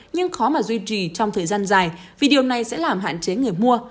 nhưng khó mà duy trì trong thời gian dài vì điều này sẽ làm hạn chế người mua